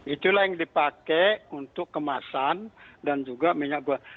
itulah yang dipakai untuk kemasan dan juga minyak goreng